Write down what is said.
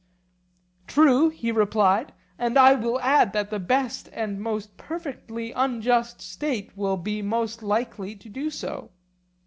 True, he replied; and I will add that the best and most perfectly unjust state will be most likely to do so.